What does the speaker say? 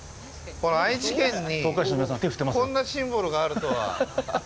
この愛知県にこんなシンボルがあるとは。